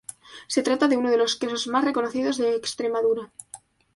Se trata de uno de los quesos más reconocidos de Extremadura.